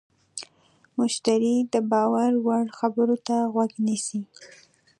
مشتری د باور وړ خبرو ته غوږ نیسي.